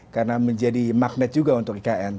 karena menjadi magnet juga untuk ikn